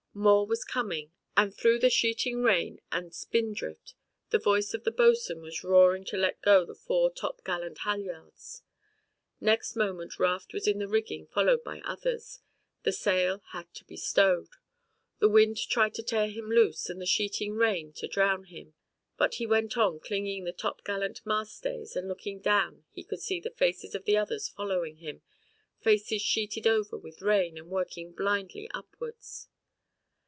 More was coming and through the sheeting rain and spindrift the voice of the Bo'sw'n was roaring to let go the fore top gallant halyards. Next moment Raft was in the rigging followed by others. The sail had to be stowed. The wind tried to tear him loose and the sheeting rain to drown him, but he went on clinging to the top gallant mast stays and looking down he could see the faces of the others following him, faces sheeted over with rain and working blindly upwards.